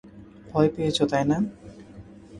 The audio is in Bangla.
ভয় পেয়েছ, তাই না?